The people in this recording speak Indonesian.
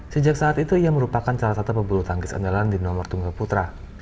sejak saat itu ia merupakan salah satu pebulu tangkis andalan di nomor tunggal putra